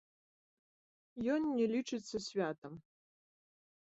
Ён не лічыцца святам.